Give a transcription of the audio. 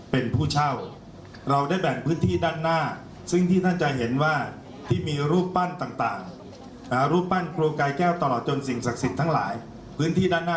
เพราะฉะนั้นอำนาจหน้าที่ในการบริหารพื้นที่